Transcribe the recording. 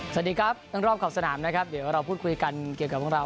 สวัสดีครับเรื่องรอบขอบสนามนะครับเดี๋ยวเราพูดคุยกันเกี่ยวกับพวกเรา